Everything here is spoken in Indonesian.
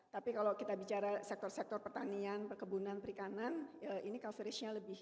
tapi kalau kita bicara sektor sektor pertanian perkebunan perikanan ini coverage nya lebih